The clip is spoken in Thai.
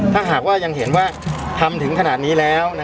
ถ้าหากว่ายังเห็นว่าทำถึงขนาดนี้แล้ว